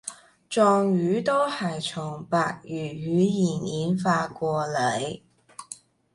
壯語都係從百越語言演化過禮